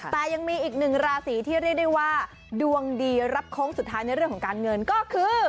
แต่ยังมีอีกหนึ่งราศีที่เรียกได้ว่าดวงดีรับโค้งสุดท้ายในเรื่องของการเงินก็คือ